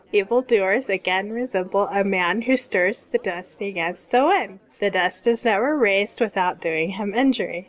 Evil doers again resemble a man who stirs the dust against the wind ; the dust is never raised without doing him injury.